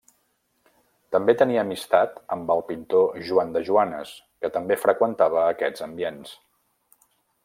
També tenia amistat amb el pintor Joan de Joanes, que també freqüentava aquests ambients.